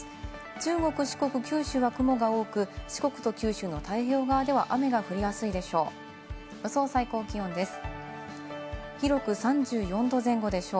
中国、四国、九州は雲が多く、四国と九州の太平洋側では雨が降りやすいでしょう。